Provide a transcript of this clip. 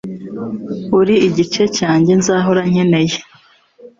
Uri igice cyanjye nzahora nkeneye